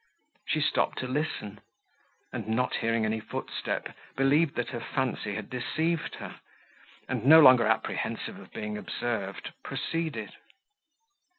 She stopped to listen, and, not hearing any footstep, believed that her fancy had deceived her, and, no longer apprehensive of being observed, proceeded.